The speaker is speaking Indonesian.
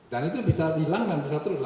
itu bisa hilang dan bisa terus